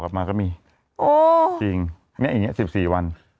ยังไงเขามีโทรศัพท์ให้ด้วยนะ